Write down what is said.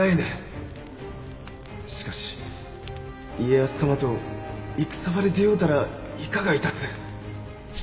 しかし家康様といくさ場で出会うたらいかがいたす。